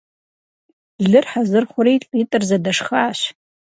Лыр хьэзыр хъури, лӀитӀыр зэдэшхащ.